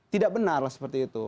tidak benar seperti itu